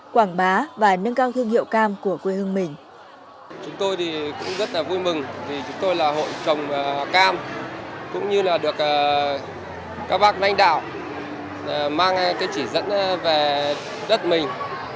quảng bá và nâng cao thương hiệu cam của quê hương mình